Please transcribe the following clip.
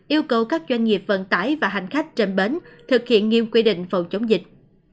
yêu cầu các doanh nghiệp vận tải và hành khách trên bến thực hiện nghiêm quy định phòng chống dịch